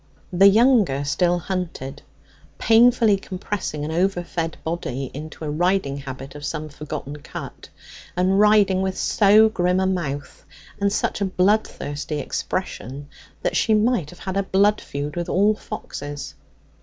The younger still hunted, painfully compressing an overfed body into a riding habit of some forgotten cut, and riding with so grim a mouth and such a bloodthirsty expression that she might have had a blood feud with all foxes.